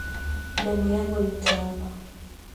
Damu yangu nitawapa